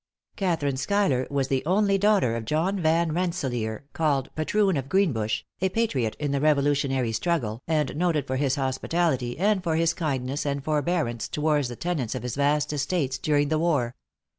Catharine Schuyler was the only daughter of John. Van Rensselaer, called Patroon of Greenbush, a patriot in the Revolutionary struggle, and noted for his hospitality, and for his kindness and forbearance towards the tenants of his vast estates during the war.